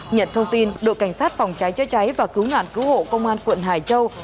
nhận thông tin đội cảnh sát phòng cháy chữa cháy và cứu nạn cứu hộ công an quận hải châu